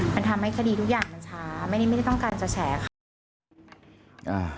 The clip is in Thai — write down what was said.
มันทำให้คดีทุกอย่างมันช้าไม่ได้ต้องการจะแฉใคร